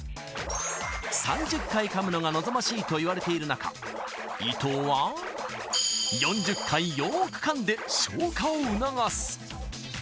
３０回噛むのが望ましいといわれている中、伊藤は４０回よくかんで消化を促す。